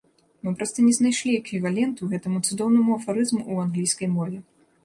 Мы проста не знайшлі эквіваленту гэтаму цудоўнаму афарызму ў англійскай мове.